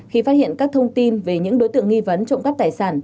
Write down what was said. khi phát hiện các thông tin về những đối tượng nghi vấn trộm cắp tài sản